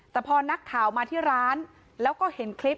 แต่พอนักข่าวมาที่ร้านแล้วก็เห็นคลิป